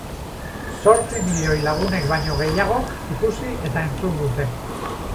Zortzi milioi lagunek baino gehiagok ikusi eta entzun dute.